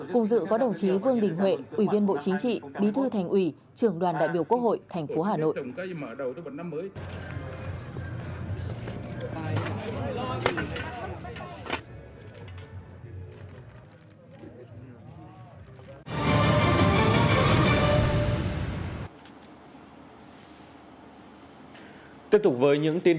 cùng dự có đồng chí vương đình huệ ủy viên bộ chính trị bí thư thành ủy trường đoàn đại biểu quốc hội tp hà nội